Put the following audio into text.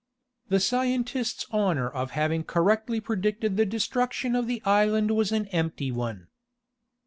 The scientist's honor of having correctly predicted the destruction of the island was an empty one.